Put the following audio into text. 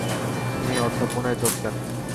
তিনি অধ্যাপনায় যোগ দেন।